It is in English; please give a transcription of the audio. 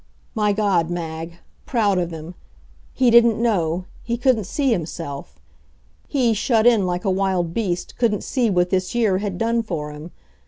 My God, Mag! Proud of him. He didn't know he couldn't see himself. He, shut in like a wild beast, couldn't see what this year has done for him.